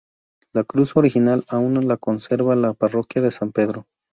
La cruz original aun la conserva la parroquia de San Pedro.